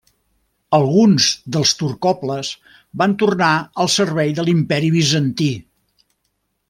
Alguns dels turcoples van tornar al servei de l'Imperi bizantí.